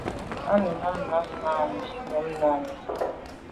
À nu am à num na màa nô num nà i.